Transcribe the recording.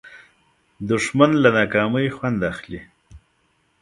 دښمن له ناکامۍ خوند اخلي